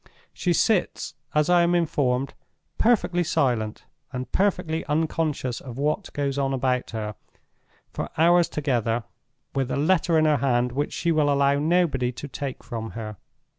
She sits, as I am informed, perfectly silent, and perfectly unconscious of what goes on about her, for hours together, with a letter in her hand which she will allow nobody to take from her.